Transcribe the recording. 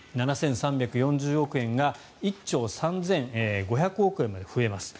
７３４０億円が１兆３５００億円まで増えます。